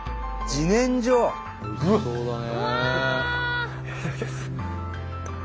おいしそうだね。